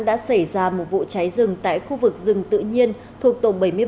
đã xảy ra một vụ cháy rừng tại khu vực rừng tự nhiên thuộc tổ bảy mươi bảy